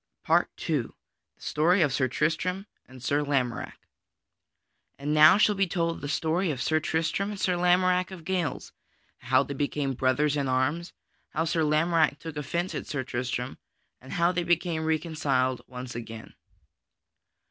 PART II The Story of Sir Tristram and Sir Lamorack And now shall be told the story of Sir Tristram and Sir Lamorack of Gales, how they became brothers in arms; how Sir Lamorack took offence at Sir Tristram, and how they became reconciled again.